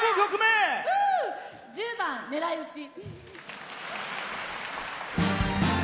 １０番「狙いうち」。